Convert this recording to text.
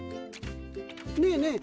ねえねえ